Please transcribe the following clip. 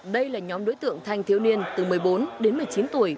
đây là nhóm đối tượng thanh thiếu niên từ một mươi bốn đến một mươi chín tuổi